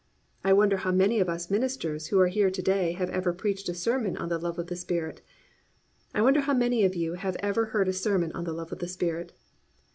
I wonder how many of us ministers who are here to day have ever preached a sermon on the love of the Spirit. I wonder how many of you have ever heard a sermon on the love of the Spirit.